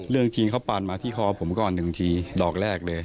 เรื่องที่เขาปานมาที่คอผมก่อนหนึ่งทีดอกแรกเลย